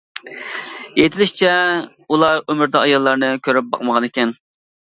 ئېيتىلىشىچە، ئۇلار ئۆمرىدە ئاياللارنى كۆرۈپ باقمىغان ئىكەن.